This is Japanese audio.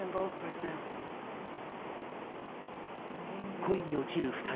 恋に落ちる２人。